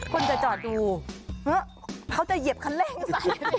คุณจะจอดูเขาจะเหยียบเค้าเร่งใส่